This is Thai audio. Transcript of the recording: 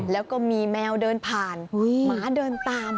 แล้วก็มีแมวเดินผ่านหมาเดินตาม